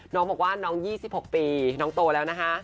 น้องบอกว่าน้อง๒๖ปีน้องโตแล้วนะคะ